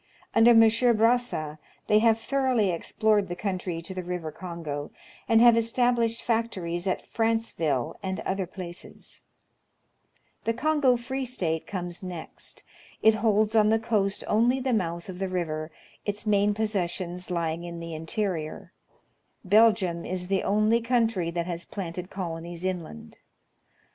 Under M. Brazza, they have thoroughly explored the country to the river Kongo, and have established factories at Franceville and other places. Africa^ its Past mid Future. 107 The Kongo Free State comes next. It holds on the coast only the mouth of the river, its main possessions lying in the interior, Belgium is the only country that has planted colonies inland.